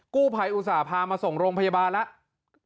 กู้ภัยอุตส่าห์พามาส่งโรงพยาบาลแล้ว